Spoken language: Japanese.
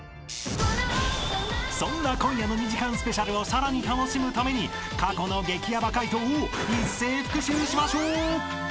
［そんな今夜の２時間ＳＰをさらに楽しむために過去の激ヤバ解答を一斉復習しましょう］